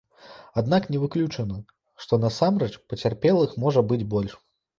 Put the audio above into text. Аднак не выключана, што насамрэч пацярпелых можа быць больш.